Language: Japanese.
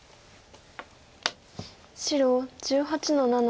白１８の七。